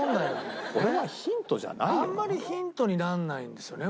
あんまりヒントにならないんですよね